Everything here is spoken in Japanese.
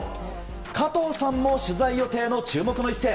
加藤さんも取材予定の注目の一戦。